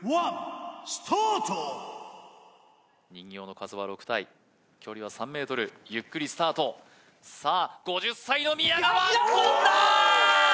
人形の数は６体距離は３ｍゆっくりスタートさあ５０歳の宮川跳んだー